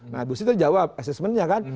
nah bu siti jawab assessmentnya kan